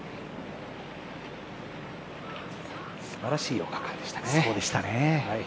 すばらしい４日間でしたね。